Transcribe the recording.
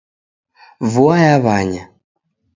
Vua yaw'anya.